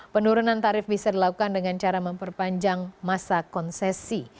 penurunan tarif bisa dilakukan dengan cara memperpanjang masa konsesi